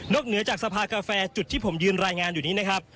เหนือจากสภากาแฟจุดที่ผมยืนรายงานอยู่นี้นะครับ